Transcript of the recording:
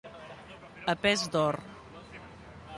A pes d'or.